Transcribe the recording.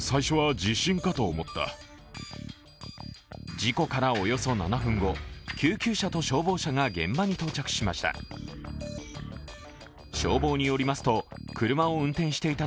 事故からおよそ７分後、救急車と消防車が現場に到着しました。